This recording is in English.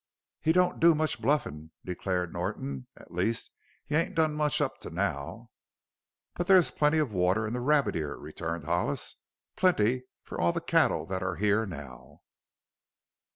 "He don't do much bluffin'," declared Norton. "At least he ain't done much up to now." "But there is plenty of water in the Rabbit Ear," returned Hollis; "plenty for all the cattle that are here now."